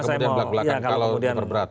kalau belak belakan kalau diperberat ya